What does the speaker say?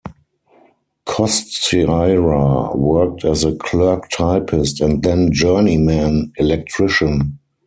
Kostyra worked as a clerk-typist and then journeyman electrician.